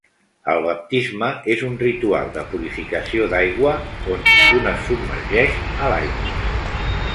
El baptisme és un ritual de purificació d'aigua on un es submergeix a l'aigua.